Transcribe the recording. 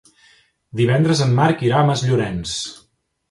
Divendres en Marc irà a Masllorenç.